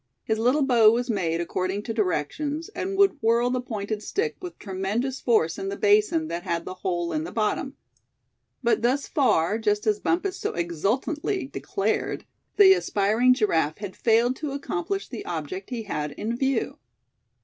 His little bow was made according to directions, and would whirl the pointed stick with tremendous force in the basin that had the hole in the bottom; but thus far, just as Bumpus so exultantly declared, the aspiring Giraffe had failed to accomplish the object he had in view.